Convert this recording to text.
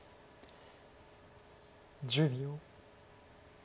１０秒。